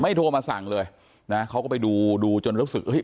โทรมาสั่งเลยนะเขาก็ไปดูดูจนรู้สึกเอ้ย